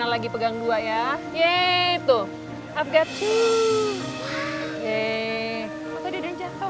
lagi pegang dua ya yaitu